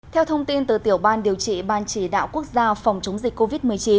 theo thông tin từ tiểu ban điều trị ban chỉ đạo quốc gia phòng chống dịch covid một mươi chín